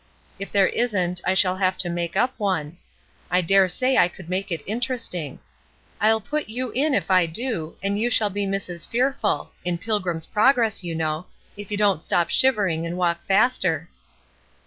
If there isn't I shall have to make up one. I dare say I could make it interesting. I'll put you in if I do, and you shall be Mrs. Fearful in Pilgrim's Progress, you know if you don't stop shivering and walk faster."